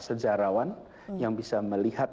sejarawan yang bisa melihat